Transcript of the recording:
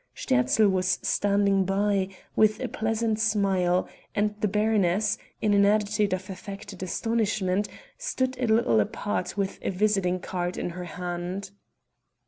Sterzl was standing by, with a pleased smile, and the baroness, in an attitude of affected astonishment, stood a little apart with a visiting card in her hand.